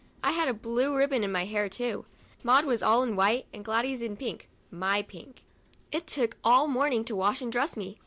I had a blue ribbon in my hair, too ; Maud was all in white, and Gladys in pink (my pink). It took all morning to wash and dress me.